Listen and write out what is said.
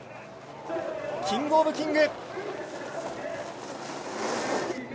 キングオブキング！